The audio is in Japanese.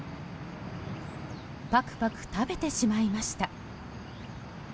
パクパク食べてしまいました。